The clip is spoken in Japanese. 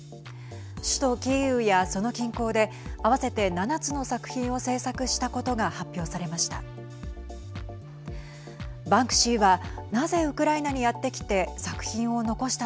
首都キーウやその近郊で合わせて７つの作品を制作したことが発表されました。